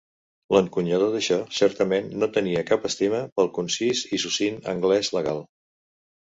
L'encunyador d'això certament no tenia cap estima pel concís i succint anglès legal.